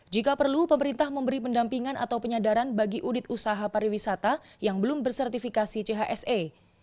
jika perlu pemerintah memberi pendampingan atau penyadaran bagi unit usaha pariwisata yang belum bersertifikasi chse